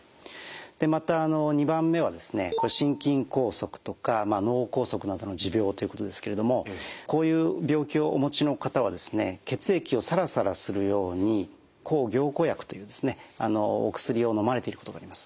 また２番目は心筋梗塞とか脳梗塞などの持病ということですけれどもこういう病気をお持ちの方は血液をサラサラするように抗凝固薬というお薬をのまれていることがあります。